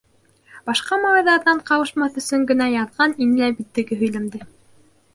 Башҡа малайҙарҙан ҡалышмаҫ өсөн генә яҙған ине лә бит теге һөйләмде.